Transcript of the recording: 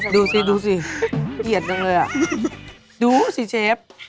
ดูสิเเกียตกันเลยว่ะดูสิเชฟ